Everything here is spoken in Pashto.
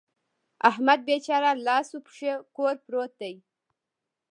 احمد بېچاره لاس و پښې کور پروت دی.